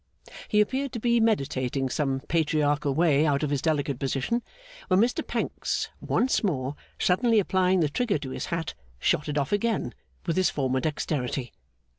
He appeared to be meditating some Patriarchal way out of his delicate position, when Mr Pancks, once more suddenly applying the trigger to his hat, shot it off again with his former dexterity.